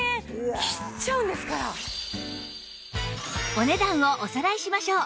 お値段をおさらいしましょう